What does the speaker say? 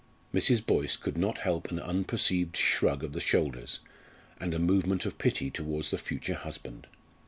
Mrs. Boyce could not help an unperceived shrug of the shoulders, and a movement of pity towards the future husband.